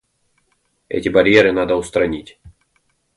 Эти барьеры надо устранить.